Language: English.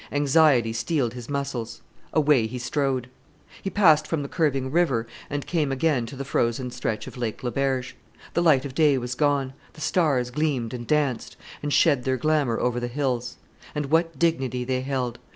Anxiety steeled his muscles. Away he strode. He passed from the curving river, and came again to the frozen stretch of Lake Le Berge. The light of day was gone; the stars gleamed and danced, and shed their glamour over the hills. And what dignity they held!